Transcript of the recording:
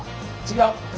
違う。